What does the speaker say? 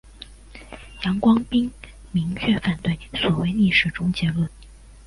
杨光斌明确反对所谓历史终结论。